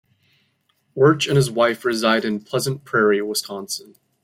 Wirch and his wife reside in Pleasant Prairie, Wisconsin.